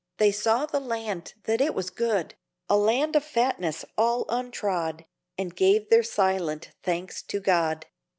They saw the land that it was good, A land of fatness all untrod, And gave their silent thanks to God.